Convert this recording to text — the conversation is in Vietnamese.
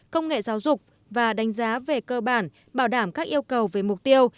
công nghệ giáo dục và đánh giá về cơ bản bảo đảm các yêu cầu về mục tiêu